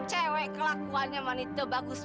cewek kelakuannya manita bagus